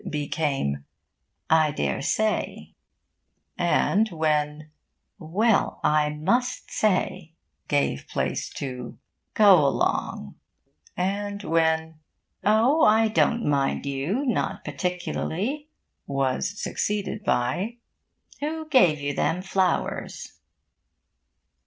became 'I daresay,' and when 'Well, I must say' gave place to 'Go along,' and when 'Oh, I don't mind you not particularly' was succeeded by 'Who gave you them flowers?'...